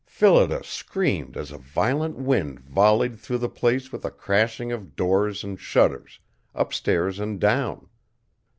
Phillida screamed as a violent wind volleyed through the place with a crashing of doors and shutters, upstairs and down.